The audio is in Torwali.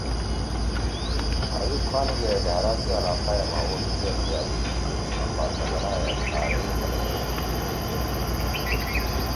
ایوب خان گے ڈھأرا سی علاقہ ئے ما ووٹ چیر دیا گئی شی آں فاطمہ جناح ئے خاریئی خلگ ئے ووٹ چیر دیِدی شی